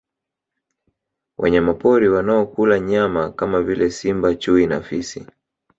Wanyamapori wanao kula nyama kama vile simba chui na fisi